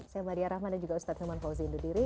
saya madya rahman dan juga ustadz himan fauzi indodiri